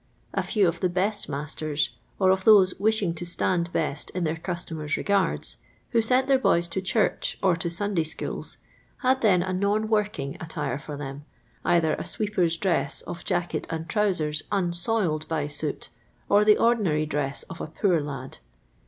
A few of the best roasters (or of those wishing to stand best in their customers* regards), who sent their boys to church or to Sunday schools, had then a non working attire for them; either a sweeper's dress of jacket and trowsers, unsoiled by soot, or the ordinary dress of a poor lad.